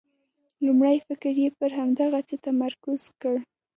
لومړی فکر یې پر همدغه څه متمرکز کړ.